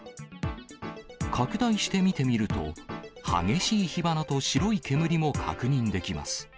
拡大して見てみると、激しい火花と白い煙も確認できます。